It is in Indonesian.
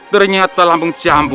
ternyata lambung jambu